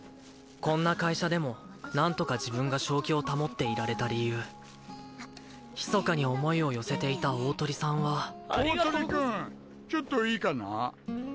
こんな会社でもなんとか自分が正気を保っていられた理由ひそかに思いを寄せていた鳳さんはありがとうござ鳳君あっはい。